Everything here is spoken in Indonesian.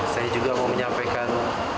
saya juga mau menyampaikan